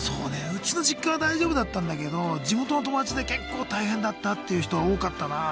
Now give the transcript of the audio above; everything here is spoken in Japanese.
うちの実家は大丈夫だったんだけど地元の友達で結構大変だったっていう人は多かったなあ。